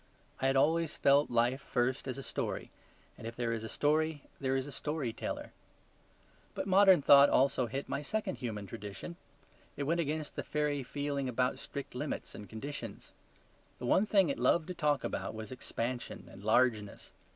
I had always felt life first as a story: and if there is a story there is a story teller. But modern thought also hit my second human tradition. It went against the fairy feeling about strict limits and conditions. The one thing it loved to talk about was expansion and largeness.